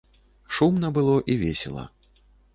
Шумна было і весела.